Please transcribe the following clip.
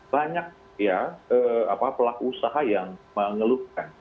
banyak ya pelaku usaha yang mengeluhkan